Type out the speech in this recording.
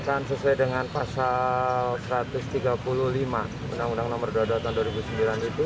bukan sesuai dengan pasal satu ratus tiga puluh lima undang undang nomor dua puluh dua tahun dua ribu sembilan itu